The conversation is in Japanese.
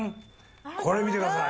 これ見てください